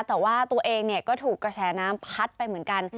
แต่ว่าตัวเองเนี่ยก็ถูกกระแสน้ำพัดไปเหมือนกัน